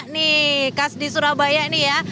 nih khas di surabaya ini ya